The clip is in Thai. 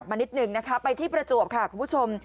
นิดนึงนะคะไปที่ประจวบค่ะคุณผู้ชม